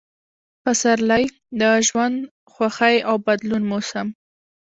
پسرلی – د ژوند، خوښۍ او بدلون موسم